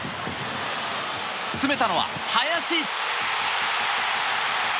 詰めたのは林！